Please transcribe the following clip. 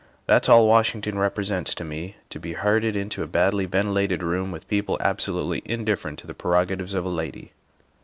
That's all Washington represents to me to be herded into a badly ventilated room with people absolutely indifferent to the prerogatives of a lady.